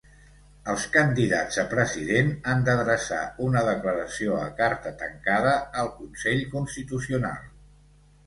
Els candidats a president han d'adreçar una declaració a carta tancada al Consell Constitucional.